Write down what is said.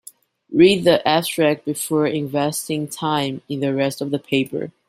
Read the abstract before investing time in the rest of the paper.